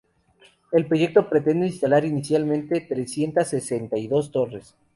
el proyecto pretende instalar inicialmente trescientas sesenta y dos torres